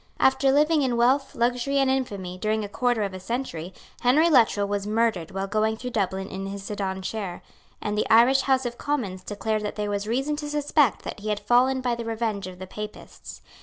After living in wealth, luxury and infamy, during a quarter of a century, Henry Luttrell was murdered while going through Dublin in his sedan chair; and the Irish House of Commons declared that there was reason to suspect that he had fallen by the revenge of the Papists.